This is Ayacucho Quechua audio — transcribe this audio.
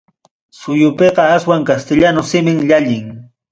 Suyupiqa aswan castellano simim llallin.